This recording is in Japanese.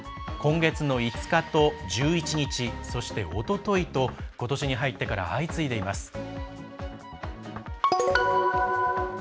今月の５日と１１日そして、おとといとことしに入ってから相次いでいます。